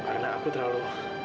karena aku terlalu